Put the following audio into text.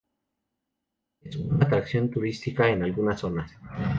Es una atracción turística en algunas zonas.